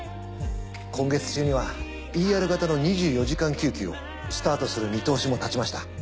今月中にはＥＲ型の２４時間救急をスタートする見通しも立ちました。